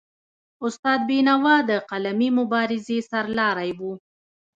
استاد بینوا د قلمي مبارزې سرلاری و.